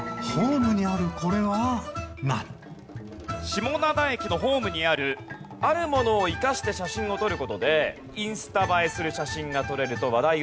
下灘駅のホームにあるあるものを生かして写真を撮る事でインスタ映えする写真が撮れると話題を集めています。